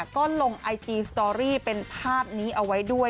ก็ลงไอจีสตอรี่เป็นภาพนี้เอาไว้ด้วย